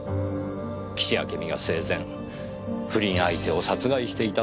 岸あけみが生前不倫相手を殺害していたという事実を。